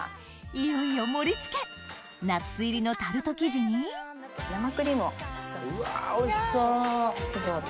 いよいよ盛り付けナッツ入りのタルト生地に生クリームをちょっと絞る。